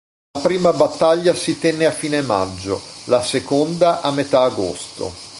La prima battaglia si tenne a fine maggio; la seconda a metà agosto.